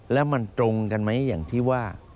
แล้วมันตรงกันไหมอย่างที่ว่า